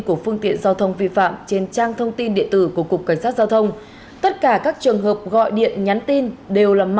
của phương tiện giao thông vi phạm trên trang thông tin điện tử